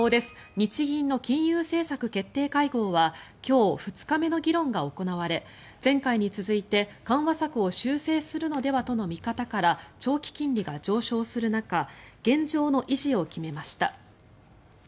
日銀の金融政策決定会合は今日、２日目の議論が行われ前回に続いて緩和策を修正するのではとの見方から長期金利が上昇する中現状の維持を決めました。